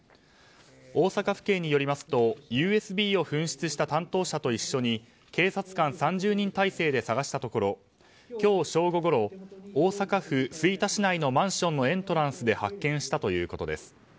大阪府警によりますとＵＳＢを紛失した担当者と一緒に警察官３０人態勢で探したところ今日正午ごろ大阪府吹田市内のマンションのエントランスで発見したということです。